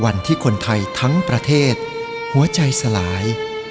วันที่คนไทยทั้งประเทศหัวใจสลาย